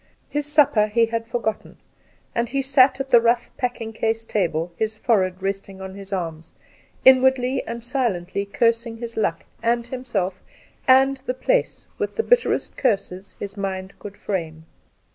His supper he had forgotten, and he sat at the rough packing , case table, his forehead resting on his arms, in wardly and silently cursing his luck and himself and the place with the bitterest curses his mind could frame.